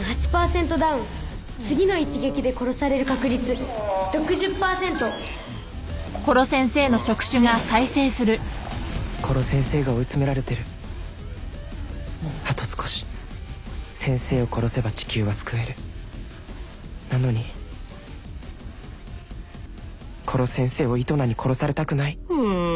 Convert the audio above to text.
次の一撃で殺される確率６０％殺せんせーが追い詰められてるあと少し先生を殺せば地球は救えるなのに殺せんせーをイトナに殺されたくないうーん